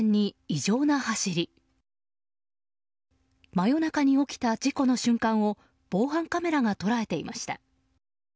真夜中に起きた事故の瞬間を防犯カメラが捉えていました。